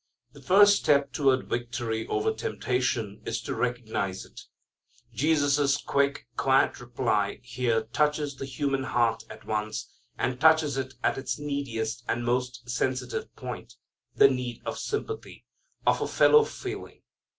The first step toward victory over temptation is to recognize it. Jesus' quick, quiet reply here touches the human heart at once, and touches it at its neediest and most sensitive point, the need of sympathy, of a fellow feeling.